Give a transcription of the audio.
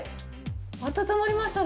暖まりましたね。